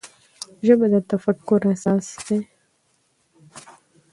ژبه د تفکر اساس ده.